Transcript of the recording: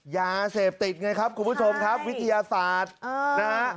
ยาเสพติดไงครับคุณผู้ชมครับวิทยาศาสตร์นะฮะ